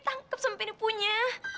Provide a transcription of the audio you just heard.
jadi coba andain korang aja